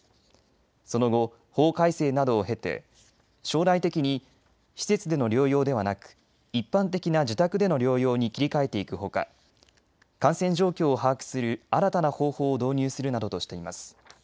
その後、法改正などを経て将来的に施設での療養ではなく一般的な自宅での療養に切り替えていくほか、感染状況を把握する新たな方法を導入するなどとしています。